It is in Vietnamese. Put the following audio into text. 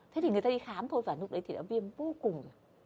thế thì người ta đi khám thôi và lúc đấy thì nó viêm vô cùng